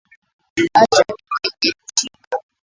Asha ni mwenye heshima.